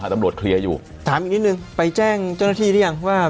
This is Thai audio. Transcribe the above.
ถ้าคุณสดเลย